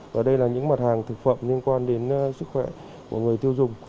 và đây là những mặt hàng thực phẩm liên quan đến sức khỏe của người tiêu dùng